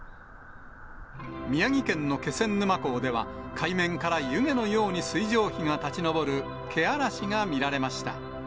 宮城県の気仙沼港では、海面から湯気のように水蒸気が立ち上る、けあらしが見られました。